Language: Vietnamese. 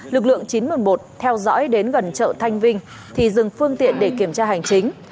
lực lượng chín trăm một mươi một theo dõi đến gần chợ thanh vinh thì dừng phương tiện để kiểm tra hành chính